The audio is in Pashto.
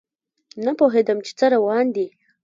نه پوهیدم چې څه روان دي